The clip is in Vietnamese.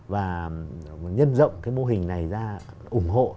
và nhân rộng cái mô hình này ra ủng hộ